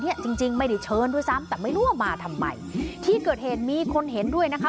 ยืนเต้นกันอยู่